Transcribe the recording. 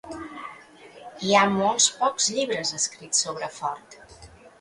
Hi ha molt pocs llibres escrits sobre Fort.